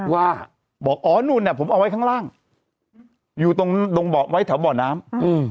ว่าบอกอ๋อนู้นเนี่ยผมเอาไว้ข้างล่างอยู่ตรงตรงเบาะไว้แถวเบาะน้ำ